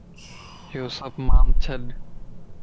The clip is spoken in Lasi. ٻيو سڀ مانت ڇڏ